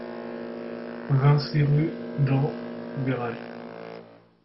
vingt-six rue d'En Béral